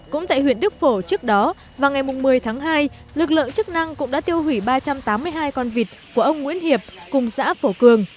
cũng tại huyện đức phổ trước đó vào ngày một mươi tháng hai lực lượng chức năng cũng đã tiêu hủy ba trăm tám mươi hai con vịt của ông nguyễn hiệp cùng xã phổ cường